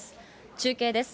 中継です。